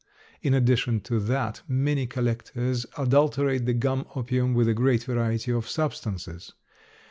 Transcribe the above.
In addition to that many collectors adulterate the gum opium with a great variety of substances.